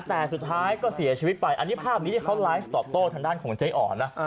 แต่สุดท้ายก็เสียชีวิตไปอันนี้ภาพนี้ที่เขาไลฟ์ตอบโต้ทางด้านของเจ๊อ๋อนะ